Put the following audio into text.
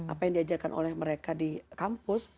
apa yang diajarkan oleh mereka di kampus